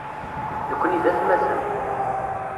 Nekni d atmaten.